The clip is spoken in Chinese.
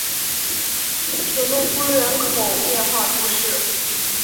舍诺夫人口变化图示